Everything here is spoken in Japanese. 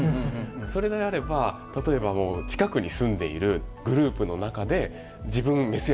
それであれば例えばもう近くに住んでいるグループの中で自分メスやります